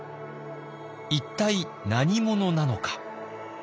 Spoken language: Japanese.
一体何者なのか。